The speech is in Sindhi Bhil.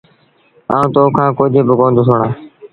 آئوٚݩ تو کآݩ ڪجھ با ڪوندو سُڻآݩ۔